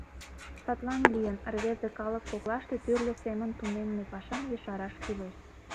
Садлан лийын, рвезе калык коклаште тӱрлӧ семын тунемме пашам ешараш кӱлеш.